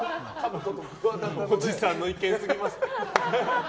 おじさんの意見すぎます。